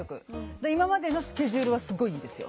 だから今までのスケジュールはすっごいいいですよ。